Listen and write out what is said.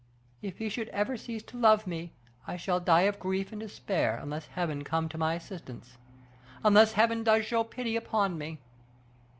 If he should ever cease to love me, I shall die of grief and despair, unless Heaven come to my assistance, unless Heaven does show pity upon me.